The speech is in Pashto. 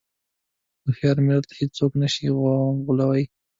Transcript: هوښیار ملت هېڅوک نه شي غولوی.